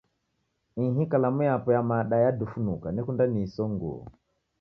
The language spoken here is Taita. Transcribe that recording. Ihi kalamu yapo ya mada yadufunuka, nekunda niisonguo.